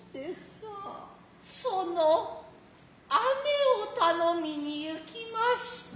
其の雨を頼みに行きました。